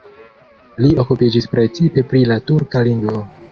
Li okupiĝis precipe pri la turka lingvo.